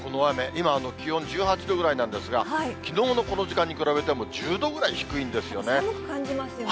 今、気温１８度ぐらいなんですが、きのうのこの時間に比べても１０度ぐらい低いんですよ寒く感じますよね。